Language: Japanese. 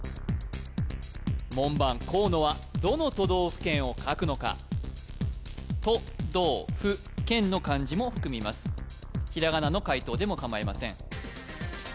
門番河野はどの都道府県を書くのか都道府県の漢字も含みますひらがなの解答でもかまいません